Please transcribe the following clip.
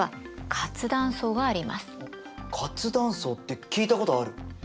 活断層って聞いたことある！